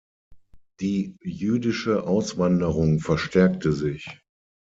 Die jüdische Auswanderung verstärkte sich.